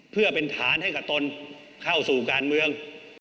เพื่อเป็นฐานให้กับตนเข้าสู่การเมือง